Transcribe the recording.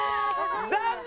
残念！